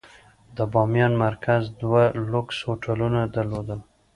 د بامیان مرکز دوه لوکس هوټلونه درلودل.